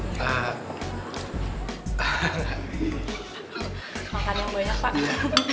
makan yang banyak pak